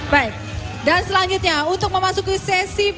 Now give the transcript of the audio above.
baik dan selanjutnya untuk memasuki sesi